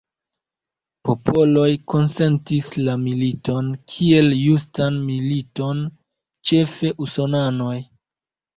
Popoloj konsentis la militon kiel justan militon, ĉefe usonanoj.